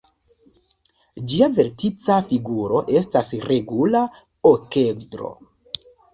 Ĝia vertica figuro estas regula okedro.